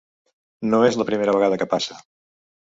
No és la primera vegada que passa.